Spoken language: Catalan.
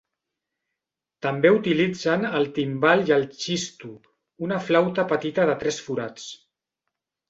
També utilitzen el timbal i el txistu, una flauta petita de tres forats.